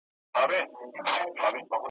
عاقبت به خپل تاریخ ته مختورن یو ,